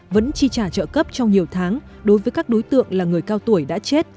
vẫn chi trả trợ cấp trong nhiều tháng đối với các đối tượng là người cao tuổi đã chết